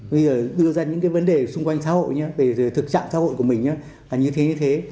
bây giờ đưa ra những vấn đề xung quanh xã hội thực trạng xã hội của mình là như thế như thế